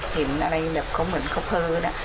เห็นอะไรแบบเขาเหมือนเขาเพ้อนะ